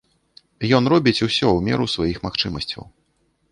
Ён робіць усё ў меру сваіх магчымасцяў.